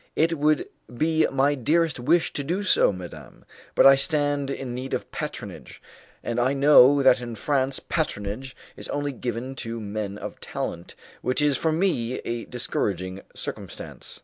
"It would be my dearest wish to do so, madam, but I stand in need of patronage, and I know that in France patronage is only given to men of talent, which is for me a discouraging circumstance."